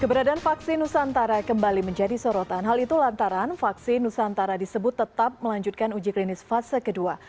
keberadaan vaksin nusantara kembali menjadi sorotan hal itu lantaran vaksin nusantara disebut tetap melanjutkan uji klinis fase kedua